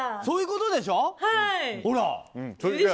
そういうことでしょ。